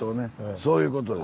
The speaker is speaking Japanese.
そういうことです。